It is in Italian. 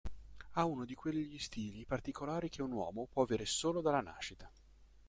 Ha uno di quegli stili particolari che un uomo può avere solo dalla nascita.".